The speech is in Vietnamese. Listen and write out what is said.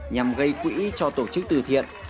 nhằm gây quỹ cho tổ chức từ thiện